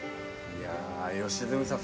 いや良純さん